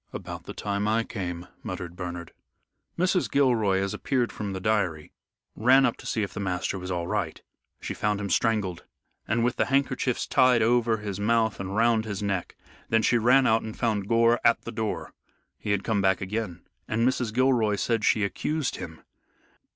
"About the time I came," muttered Bernard. Mrs. Gilroy as appeared from the diary ran up to see if the master was all right. She found him strangled, and with the handkerchiefs tied over his mouth and round his neck. Then she ran out and found Gore at the door. He had come back again, and Mrs. Gilroy said she accused him.